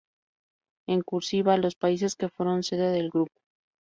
En "cursiva", los países que fueron sede del grupo.